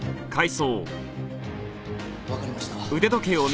わかりました。